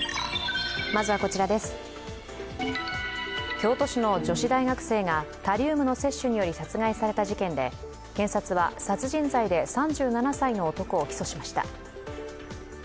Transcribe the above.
京都市の女子大学生がタリウムの摂取により殺害された事件で検察は殺人罪で３７歳の男を起訴しました。